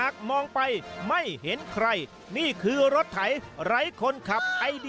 ครับ